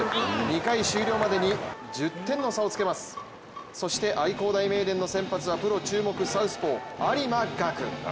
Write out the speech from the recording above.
２回終了までに１０点の差をつけますそして、愛工大名電の先発はプロ注目サウスポー・有馬伽久。